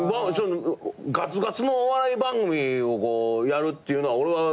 ガツガツのお笑い番組をやるっていうのは俺は目標の１つよ。